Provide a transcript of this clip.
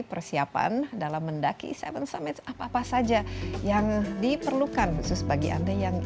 persiapan dalam mendaki tujuh summits apa apa saja yang diperlukan khusus bagi anda yang